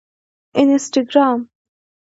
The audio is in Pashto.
انسټاګرام